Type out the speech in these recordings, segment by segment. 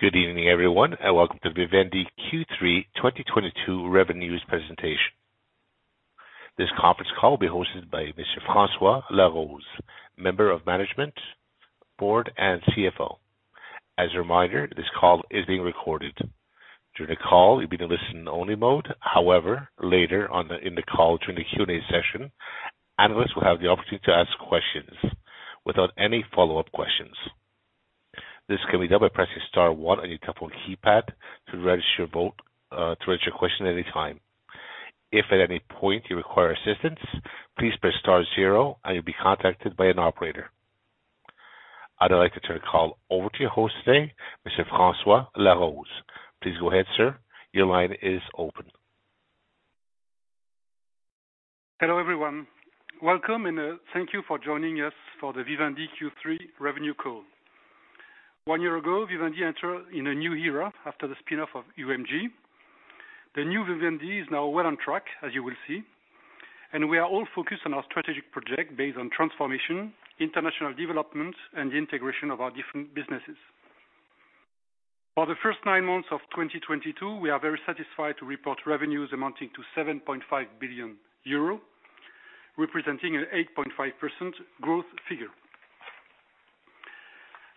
Good evening, everyone, and welcome to Vivendi Q3 2022 revenues presentation. This conference call will be hosted by Mr. François Laroze, member of management, board, and CFO. As a reminder, this call is being recorded. During the call, you'll be in listen-only mode. However, later on in the call, during the Q&A session, analysts will have the opportunity to ask questions without any follow-up questions. This can be done by pressing star one on your telephone keypad to register your question at any time. If at any point you require assistance, please press star zero and you'll be contacted by an operator. I'd like to turn the call over to your host today, Mr. François Laroze. Please go ahead, sir. Your line is open. Hello, everyone. Welcome, and thank you for joining us for the Vivendi Q3 revenue call. One year ago, Vivendi enter in a new era after the spin-off of UMG. The new Vivendi is now well on track, as you will see, and we are all focused on our strategic project based on transformation, international development, and the integration of our different businesses. For the first nine months of 2022, we are very satisfied to report revenues amounting to 7.5 billion euro, representing an 8.5% growth figure.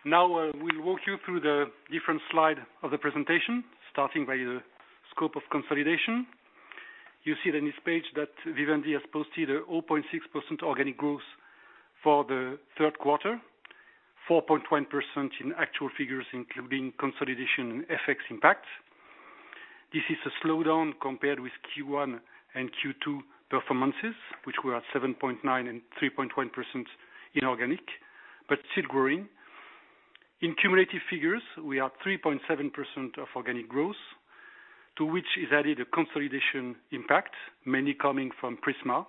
Now, we'll walk you through the different slide of the presentation, starting by the scope of consolidation. You see on this page that Vivendi has posted a 0.6% organic growth for the third quarter, 4.1% in actual figures, including consolidation and FX impact. This is a slowdown compared with Q1 and Q2 performances, which were at 7.9% and 3.1% inorganic, but still growing. In cumulative figures, we are 3.7% of organic growth, to which is added a consolidation impact, mainly coming from Prisma,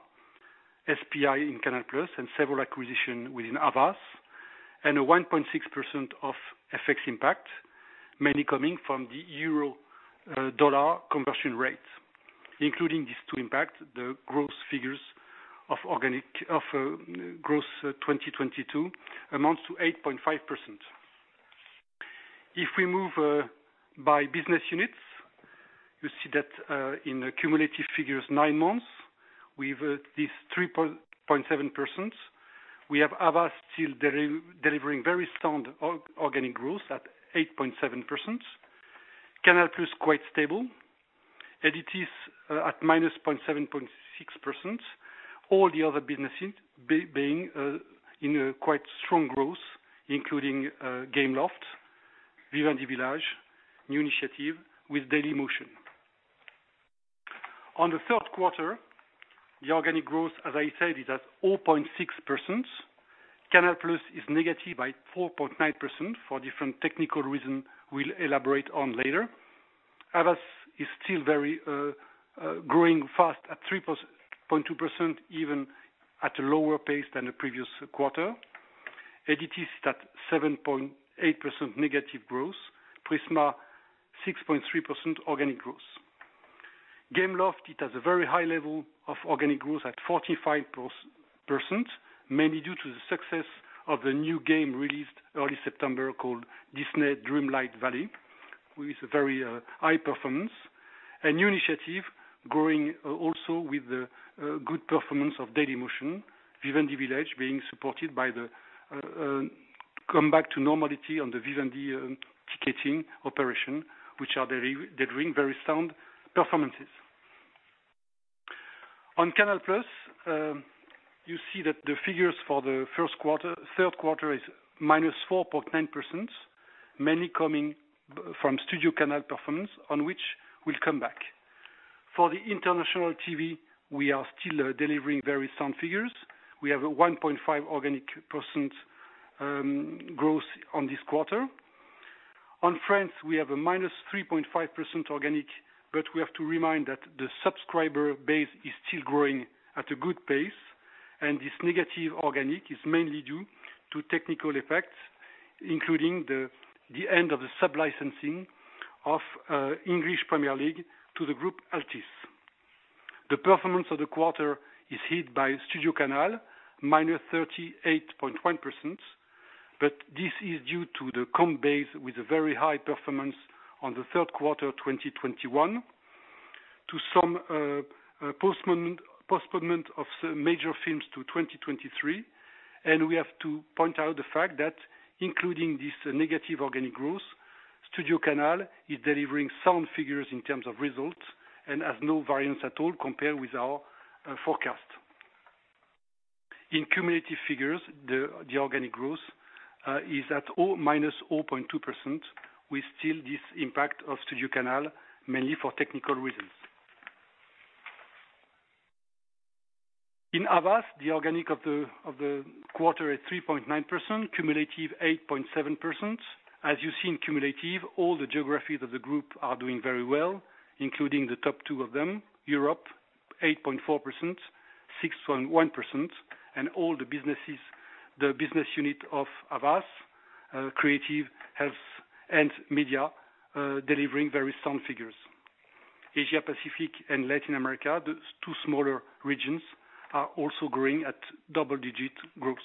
SPI, and CANAL+, and several acquisitions within Havas, and a 1.6% of FX impact, mainly coming from the Euro-dollar conversion rate. Including these two impact, the growth figures of organic growth 2022 amounts to 8.5%. If we move by business units, you see that in cumulative figures nine months, we have this 3.7%. We have Havas still delivering very strong organic growth at 8.7%. CANAL+ quite stable. Editis at minus 0.76%. All the other businesses being in quite strong growth, including Gameloft, Vivendi Village, New Initiative with Dailymotion. On the third quarter, the organic growth, as I said, is at 0.6%. CANAL+ is -4.9% for different technical reasons we'll elaborate on later. Havas is still very growing fast at 3.2% even at a lower pace than the previous quarter. Editis is at -7.8% growth. Prisma 6.3% organic growth. Gameloft, it has a very high level of organic growth at 45%, mainly due to the success of the new game released early September called Disney Dreamlight Valley, with a very high performance. New Initiative growing also with the good performance of Dailymotion. Vivendi Village being supported by the comeback to normality on the Vivendi ticketing operation, which are delivering very sound performances. On CANAL+, you see that the figures for the third quarter is -4.9%, mainly coming from STUDIOCANAL performance on which we'll come back. For the international TV, we are still delivering very sound figures. We have a 1.5% organic growth on this quarter. On France, we have a -3.5% organic, but we have to remind that the subscriber base is still growing at a good pace, and this negative organic is mainly due to technical effects, including the end of the sub-licensing of English Premier League to the group Altice. The performance of the quarter is hit by STUDIOCANAL, -38.1%, but this is due to the comp base with a very high performance on the third quarter of 2021 to some postponement of major films to 2023. We have to point out the fact that including this negative organic growth, STUDIOCANAL is delivering sound figures in terms of results and has no variance at all compared with our forecast. In cumulative figures, organic growth is at -0.2%. We still see this impact of STUDIOCANAL mainly for technical reasons. In Havas, the organic of the quarter is 3.9%, cumulative 8.7%. As you see in cumulative, all the geographies of the group are doing very well, including the top two of them, Europe, 8.4%, 6.1%, and all the businesses, the business unit of Havas, creative, health, and media, delivering very sound figures. Asia Pacific and Latin America, the two smaller regions are also growing at double-digit growth.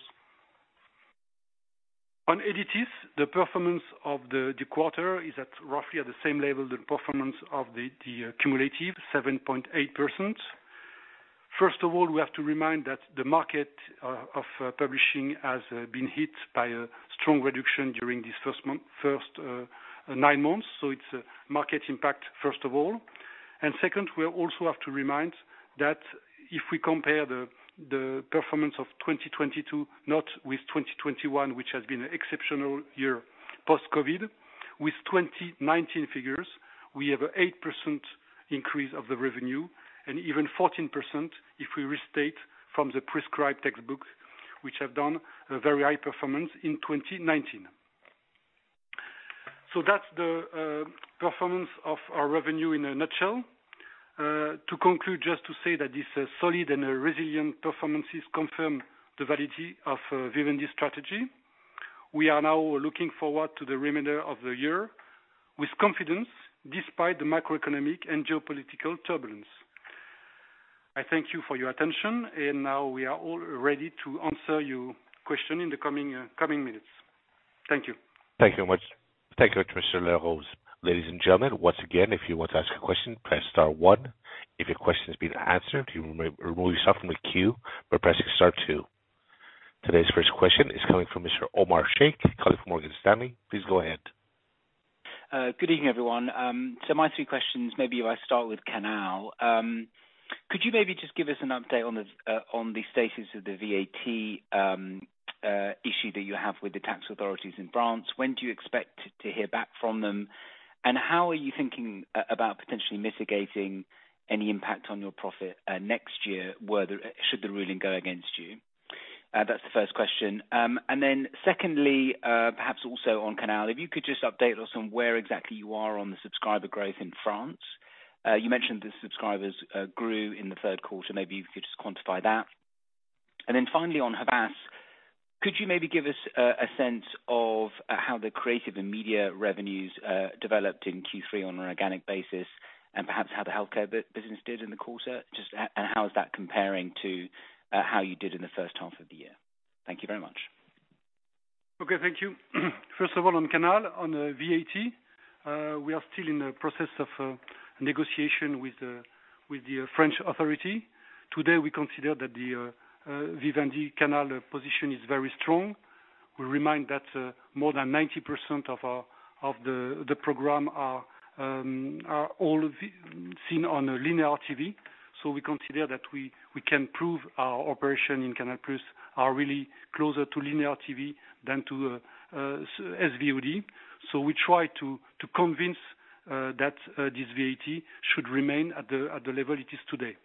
On ditis, the perforEmance of the quarter is at roughly at the same level, the performance of the cumulative 7.8%. First of all, we have to remind that the market of publishing has been hit by a strong reduction during this first nine months, so it's a market impact, first of all. Second, we also have to remind that if we compare the performance of 2022, not with 2021, which has been an exceptional year post-COVID, with 2019 figures, we have an 8% increase of the revenue and even 14% if we restate from the prescribed textbooks, which have done a very high performance in 2019. That's the performance of our revenue in a nutshell. To conclude, just to say that this solid and resilient performances confirm the validity of Vivendi's strategy. We are now looking forward to the remainder of the year with confidence despite the macroeconomic and geopolitical turbulence. I thank you for your attention, and now we are all ready to answer your question in the coming minutes. Thank you. Thank you much. Thank you Mr. Laroze. Ladies and gentlemen, once again, if you want to ask a question, press star one. If your question has been answered, you may remove yourself from the queue by pressing star two. Today's first question is coming from Mr. Omar Sheikh, calling from Morgan Stanley. Please go ahead. Good evening, everyone. My three questions, maybe if I start with CANAL. Could you maybe just give us an update on the status of the VAT issue that you have with the tax authorities in France? When do you expect to hear back from them? How are you thinking about potentially mitigating any impact on your profit next year, whether should the ruling go against you? That's the first question. Secondly, perhaps also on CANAL, if you could just update us on where exactly you are on the subscriber growth in France. You mentioned the subscribers grew in the third quarter. Maybe if you could just quantify that. Then finally on Havas, could you maybe give us a sense of how the creative and media revenues developed in Q3 on an organic basis, and perhaps how the healthcare business did in the quarter? How is that comparing to how you did in the first half of the year? Thank you very much. Okay, thank you. First of all, on CANAL+, on the VAT, we are still in the process of negotiation with the French authority. Today, we consider that the Vivendi CANAL+ position is very strong. We remind that more than 90% of the programs are seen on linear TV. We consider that we can prove our operations in CANAL+ are really closer to linear TV than to SVOD. We try to convince that this VAT should remain at the level it is today.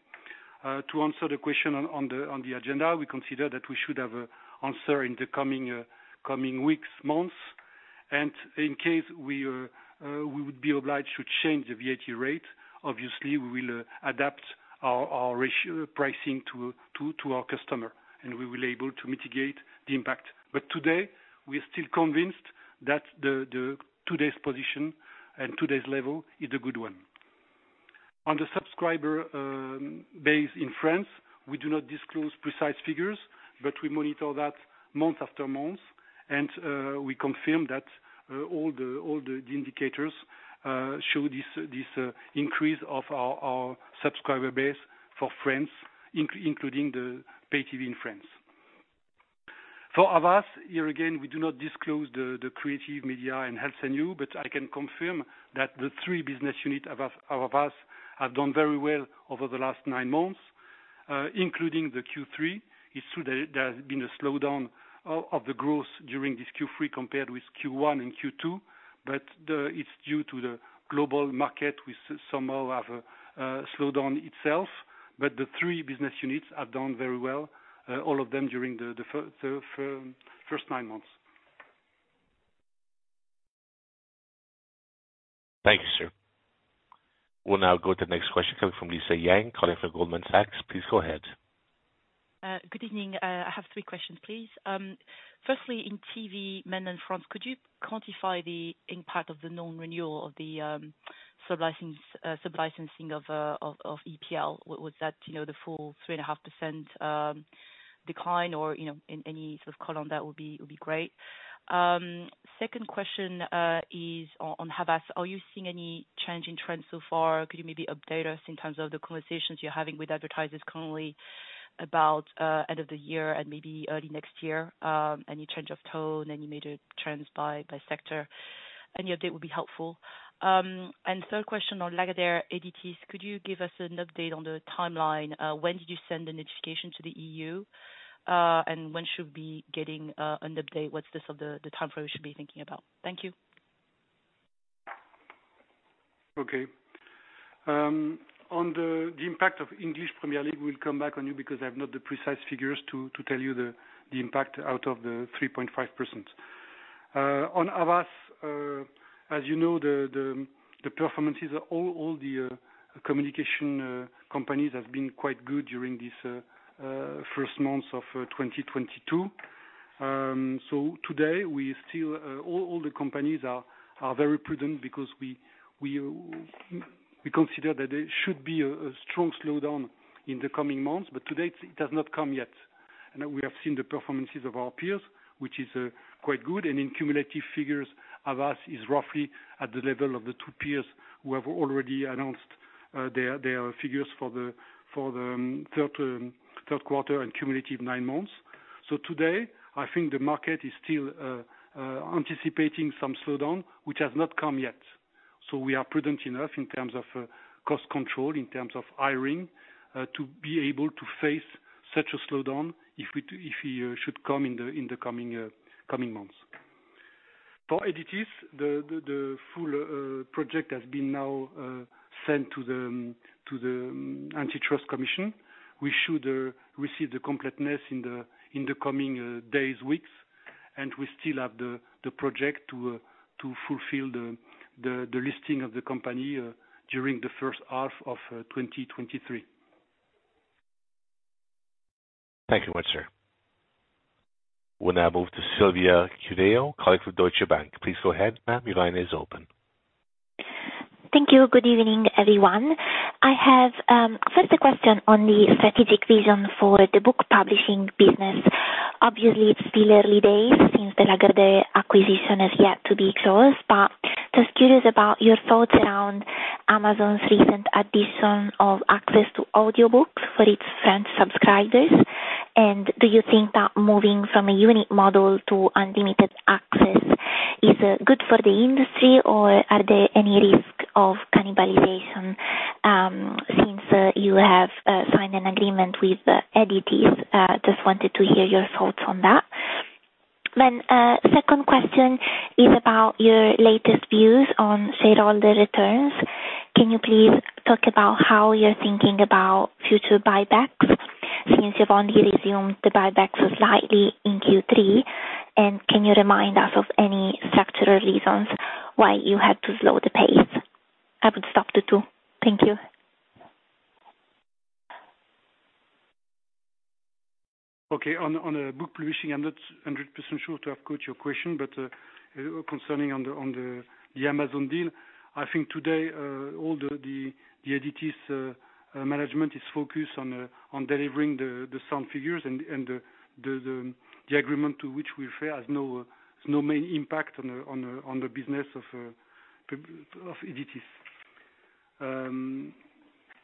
To answer the question on the agenda, we consider that we should have an answer in the coming weeks, months. In case we would be obliged to change the VAT rate, obviously, we will adapt our retail pricing to our customer, and we will be able to mitigate the impact. But today, we are still convinced that today's position and today's level is a good one. On the subscriber base in France, we do not disclose precise figures, but we monitor that month after month. We confirm that all the indicators show this increase of our subscriber base for France, including the pay TV in France. For Havas, here again, we do not disclose the creative, media, and Health & You, but I can confirm that the three business units of Havas have done very well over the last nine months, including the Q3. It's true that there has been a slowdown of the growth during this Q3 compared with Q1 and Q2, but it's due to the global market which somehow have slowed down itself. The three business units have done very well, all of them during the first nine months. Thank you, sir. We'll now go to the next question coming from Lisa Yang, calling from Goldman Sachs. Please go ahead. Good evening. I have three questions, please. Firstly, in TV, mainly in France, could you quantify the impact of the non-renewal of the sub-licensing of EPL? Was that, you know, the full 3.5% decline or, you know, any sort of call on that would be great. Second question is on Havas. Are you seeing any change in trends so far? Could you maybe update us in terms of the conversations you are having with advertisers currently about end of the year and maybe early next year? Any change of tone, any major trends by sector? Any update will be helpful. Third question on Lagardère Editis. Could you give us an update on the timeline? When did you send the notification to the EU? When should we be getting an update? What's the sort of timeframe we should be thinking about? Thank you. On the impact of English Premier League, we'll come back to you because I do not have the precise figures to tell you the impact out of the 3.5%. On Havas, as you know, the performances all the communication companies have been quite good during this first months of 2022. Today we still all the companies are very prudent because we consider that there should be a strong slowdown in the coming months, but to date it has not come yet. We have seen the performances of our peers, which is quite good. In cumulative figures, Havas is roughly at the level of the two peers who have already announced their figures for the third quarter and cumulative nine months. Today, I think the market is still anticipating some slowdown, which has not come yet. We are prudent enough in terms of cost control, in terms of hiring to be able to face such a slowdown if we do, if it should come in the coming months. For Editis, the full project has now been sent to the antitrust commission. We should receive the completeness in the coming days, weeks. We still have the project to fulfill the listing of the company during the first half of 2023. Thank you much, sir. We'll now move to Silvia Cuneo, colleague from Deutsche Bank. Please go ahead, ma'am, your line is open. Thank you. Good evening, everyone. I have first a question on the strategic vision for the book publishing business. Obviously, it's still early days since the Lagardère acquisition has yet to be closed. Just curious about your thoughts around Amazon's recent addition of access to audiobooks for its French subscribers. Do you think that moving from a unit model to unlimited access is good for the industry, or are there any risk of cannibalization, since you have signed an agreement with Editis? Just wanted to hear your thoughts on that. Second question is about your latest views on shareholder returns. Can you please talk about how you're thinking about future buybacks since you've only resumed the buybacks slightly in Q3? And can you remind us of any structural reasons why you had to slow the pace? I would stop there, too. Thank you. Okay. On book publishing, I'm not 100% sure to have caught your question, but concerning the Amazon deal. I think today all the Editis management is focused on delivering the sound figures and the agreement to which we refer has no main impact on the business of Editis.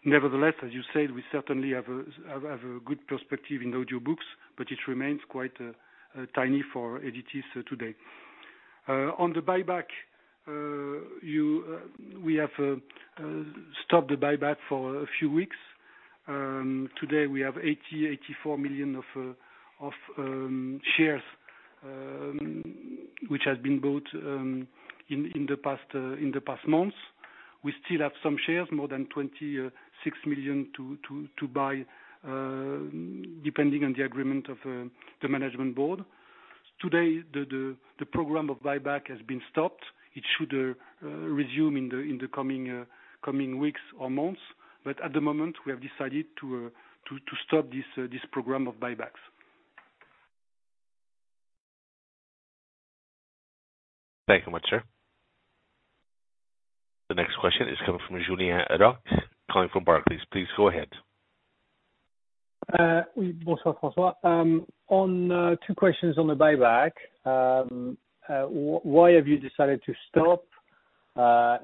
Nevertheless, as you said, we certainly have a good perspective in audiobooks, but it remains quite tiny for Editis today. On the buyback, we have stopped the buyback for a few weeks. Today we have 84 million shares which has been bought in the past months. We still have some shares, more than 26 million to buy, depending on the agreement of the management board. Today, the program of buyback has been stopped. It should resume in the coming weeks or months. At the moment, we have decided to stop this program of buybacks. Thank you much, sir. The next question is coming from Julien Roch, calling from Barclays. Please go ahead. François. I have two questions on the buyback. Why have you decided to stop?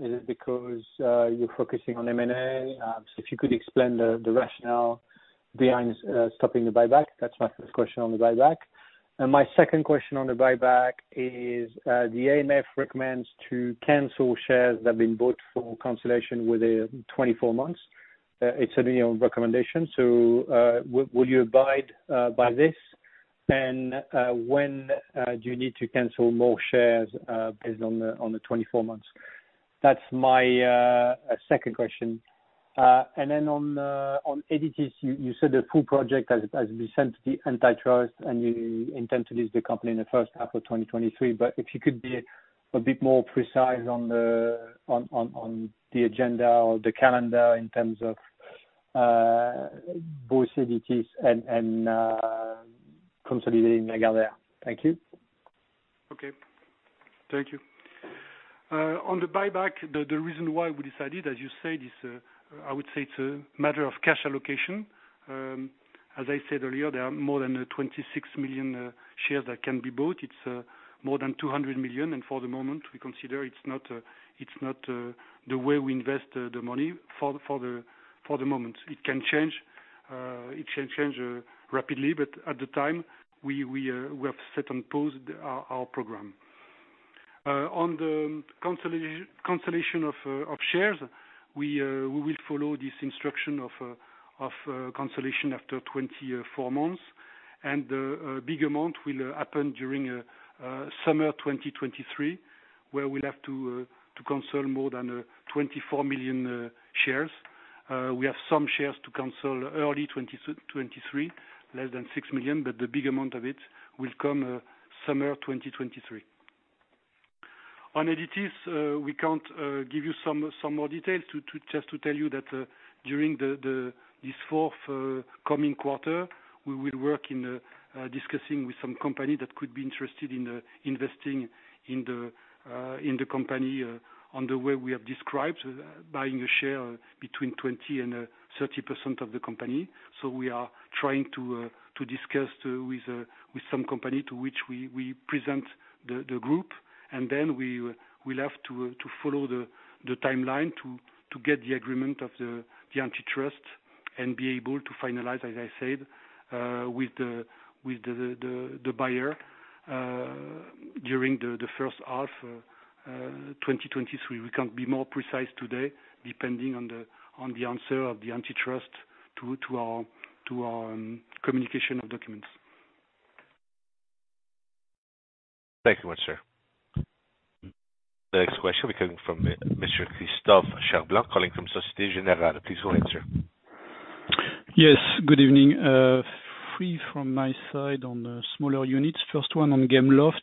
Is it because you're focusing on M&A? If you could explain the rationale behind stopping the buyback. That's my first question on the buyback. My second question on the buyback is, the AMF recommends to cancel shares that have been bought for cancellation within 24 months. It's a new recommendation. Will you abide by this? When do you need to cancel more shares based on the 24 months? That's my second question. On Editis, you said the full project has been sent to the antitrust, and you intend to list the company in the first half of 2023. If you could be a bit more precise on the agenda or the calendar in terms of both Editis and consolidating Lagardère? Thank you. Okay. Thank you. On the buyback, the reason why we decided, as you said, is. I would say it's a matter of cash allocation. As I said earlier, there are more than 26 million shares that can be bought. It's more than 200 million. For the moment, we consider it's not the way we invest the money for the moment. It can change rapidly, but at the time we have set on pause our program. On the consolidation of shares, we will follow this instruction of consolidation after 24 months. A big amount will happen during summer 2023, where we'll have to cancel more than 24 million shares. We have some shares to cancel early 2023, less than 6 million, but the big amount of it will come summer 2023. On Editis, we can't give you some more details to just tell you that during this forthcoming quarter, we will work in discussing with some company that could be interested in investing in the company on the way we have described. Buying a share between 20% and 30% of the company. We are trying to discuss with some company to which we present the group. We will have to follow the timeline to get the agreement of the antitrust and be able to finalize, as I said, with the buyer, during the first half 2023. We can't be more precise today depending on the answer of the antitrust to our communication of documents. Thank you much, sir. The next question will be coming from Mr. Christophe Cherblanc, calling from Société Générale. Please go ahead, sir. Yes, good evening. Three from my side on the smaller units. First one on Gameloft.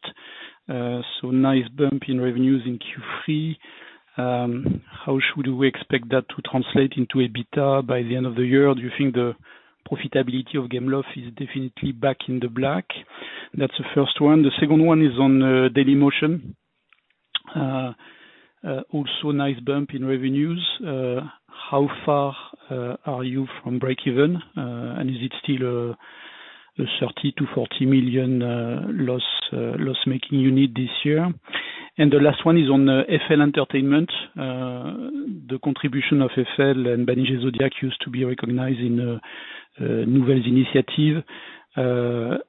So nice bump in revenues in Q3. How should we expect that to translate into EBITDA by the end of the year? Do you think the profitability of Gameloft is definitely back in the black? That's the first one. The second one is on Dailymotion. Also nice bump in revenues. How far are you from breakeven? And is it still a 30 million-40 million loss-making unit this year? The last one is on FL Entertainment. The contribution of FL and Banijay Zodiak used to be recognized in Nouvelles Initiatives.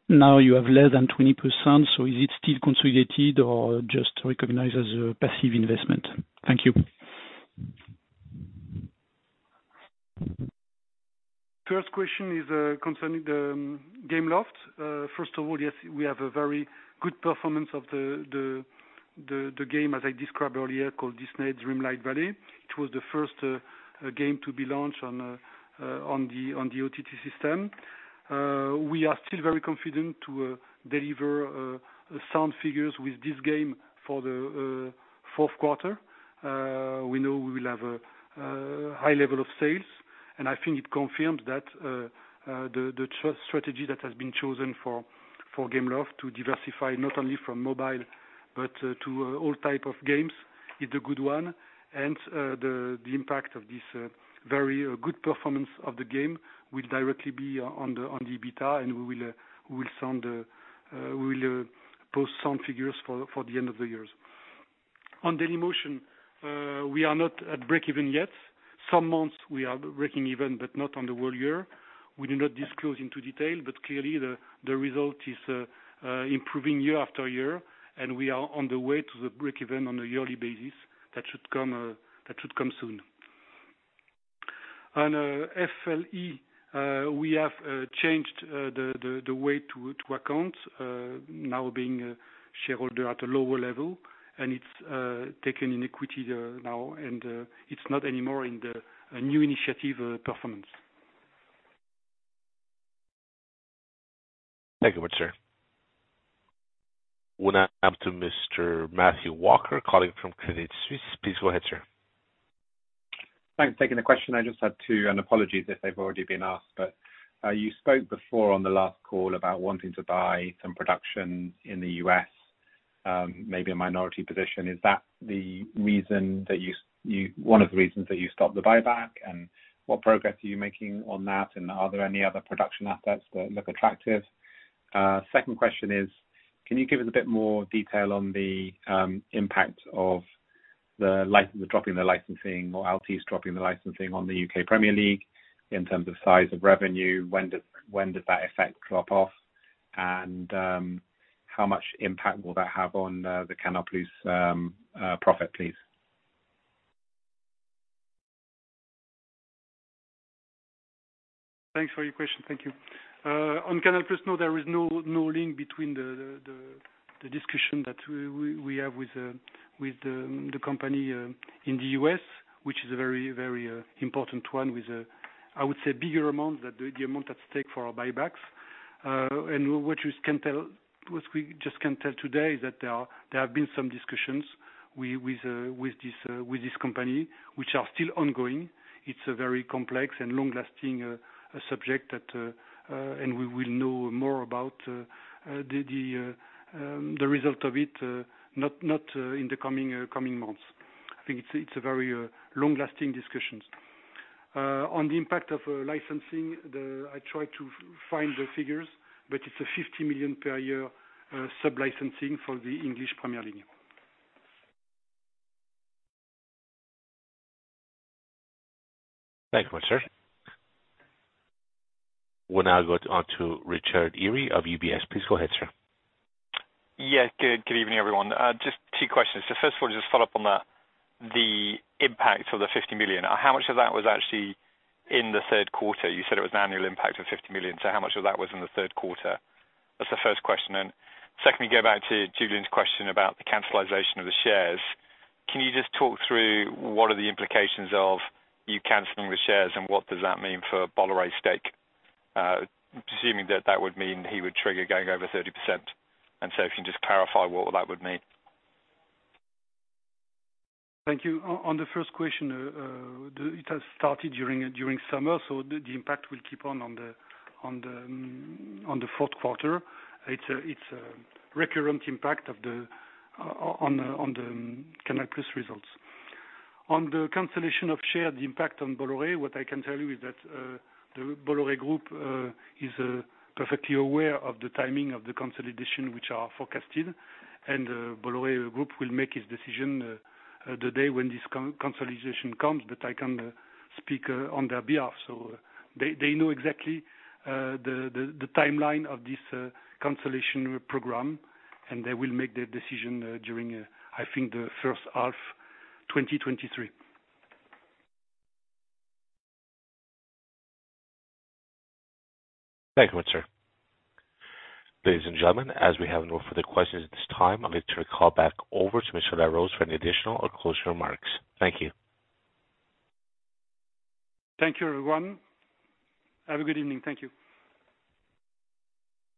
Now you have less than 20%, so is it still consolidated or just recognized as a passive investment? Thank you. First question is concerning Gameloft. First of all, yes, we have a very good performance of the game, as I described earlier, called Disney Dreamlight Valley. It was the first game to be launched on the OTT system. We are still very confident to deliver sound figures with this game for the fourth quarter. We know we will have a high level of sales. I think it confirmed that the strategy that has been chosen for Gameloft to diversify not only from mobile but to all type of games, is a good one. The impact of this very good performance of the game will directly be on the EBITDA and we will soon post some figures for the end of the year. On Dailymotion, we are not at breakeven yet. Some months we are breaking even, but not on the whole year. We do not disclose in detail, but clearly the result is improving year after year, and we are on the way to breakeven on a yearly basis. That should come soon. On FL Entertainment, we have changed the way to account now being a shareholder at a lower level, and it's taken in equity now, and it's not anymore in the New Initiative performance. Thank you very much, sir. We'll now turn to Mr. Matthew Walker, calling from Credit Suisse. Please go ahead, sir. Thanks for taking the question. I just had two, and apologies if they've already been asked. You spoke before on the last call about wanting to buy some production in the U.S., maybe a minority position. Is that the reason that you one of the reasons that you stopped the buyback? And what progress are you making on that? And are there any other production assets that look attractive? Second question is, can you give us a bit more detail on the impact of the dropping the licensing or LT dropping the licensing on the U.K. Premier League in terms of size of revenue? When does that effect drop off? And how much impact will that have on the CANAL+ profit, please? Thanks for your question. Thank you. On CANAL+, no, there is no link between the discussion that we have with the company in the U.S., which is a very important one with, I would say bigger amount that the amount at stake for our buybacks. What we just can tell today is that there have been some discussions with this company, which are still ongoing. It's a very complex and long-lasting subject, and we will know more about the result of it, not in the coming months. I think it's a very long-lasting discussions. On the impact of licensing, I tried to find the figures, but it's 50 million per year sub-licensing for the English Premier League. Thank you much, sir. We'll now go on to Richard Eary of UBS. Please go ahead, sir. Good evening, everyone. Just two questions. First of all, just follow up on that, the impact of the 50 million. How much of that was actually in the third quarter? You said it was an annual impact of 50 million, so how much of that was in the third quarter? That's the first question. Secondly, go back to Julien's question about the cancellation of the shares. Can you just talk through what are the implications of you canceling the shares and what does that mean for Bolloré's stake? Assuming that would mean he would trigger going over 30%. If you can just clarify what that would mean. Thank you. On the first question, it has started during summer, so the impact will keep on in the fourth quarter. It's a recurrent impact on the CANAL+ results. On the cancellation of shares, the impact on Bolloré, what I can tell you is that the Bolloré Group is perfectly aware of the timing of the consolidations which are forecasted. Bolloré Group will make its decision the day when this cancellation comes, but I can't speak on their behalf. They know exactly the timeline of this cancellation program, and they will make their decision during, I think, the first half 2023. Thank you much, sir. Ladies and gentlemen, as we have no further questions at this time, I'd like to call back over to Mr. Laroze for any additional or closing remarks. Thank you. Thank you, everyone. Have a good evening. Thank you.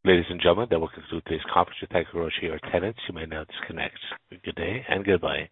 Ladies and gentlemen, that will conclude today's conference. We thank you for your attendance. You may now disconnect. Good day and goodbye.